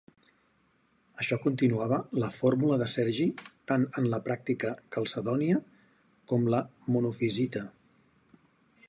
Això continuava la fórmula de Sergi tant en la pràctica calcedònia com la monofisita.